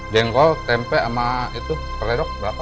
jengkol tempe sama itu perlerok berapa